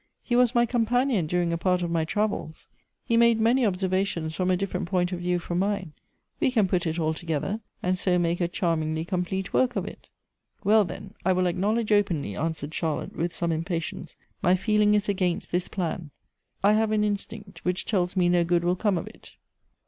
He was my companion during a part of my travels. He made many observations from a different point of view from mine. We can put it all together, and so make a charmingly complete work of it." "Well, then, I will acknowledge openly," answered Charlotte, with some impatience, " my feeling is against this plan. I have an instinct v/hich tells me no good will come of it."